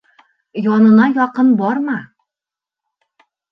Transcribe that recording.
Янына яҡын барма!